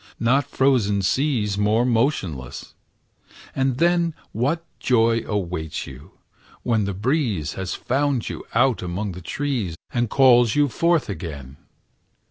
not frozen seas More motionless! and then What joy awaits you, when the breeze Has found you out among the trees, And calls you forth again!